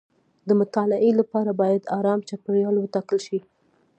د مطالعې لپاره باید ارام چاپیریال وټاکل شي.